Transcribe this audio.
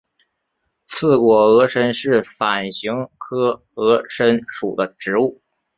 刺果峨参是伞形科峨参属的植物。